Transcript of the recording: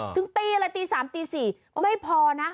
จึงตีอะไรตี๓ตี๔ไม่พอนะ